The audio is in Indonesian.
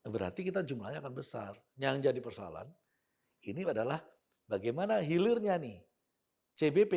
berarti kita jumlahnya akan besar yang jadi persoalan ini adalah bagaimana hilirnya nih cbp